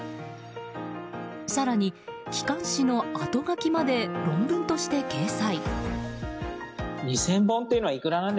更に、機関誌のあとがきまで論文として掲載。